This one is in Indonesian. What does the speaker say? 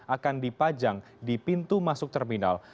akan dipajang di pintu masuk terminal